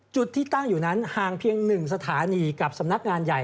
จุดที่ตั้งอยู่นั้นห่างเพียง๑สถานีกับสำนักงานใหญ่